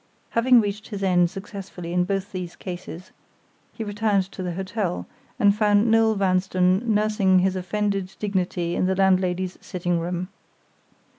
Having reached his end successfully in both these cases, he returned to the hotel, and found Noel Vanstone nursing his offended dignity in the landlady's sitting room.